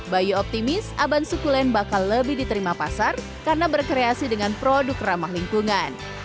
bayu optimis aban sukulen bakal lebih diterima pasar karena berkreasi dengan produk ramah lingkungan